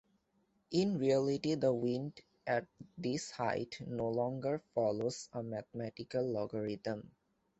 In reality the wind at this height no longer follows a mathematical logarithm.